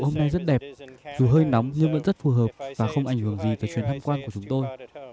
độ hôm nay rất đẹp dù hơi nóng nhưng vẫn rất phù hợp và không ảnh hưởng gì tới truyền hãm quan của chúng tôi